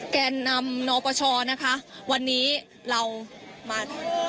แกนนำนปชนะคะวันนี้เรามา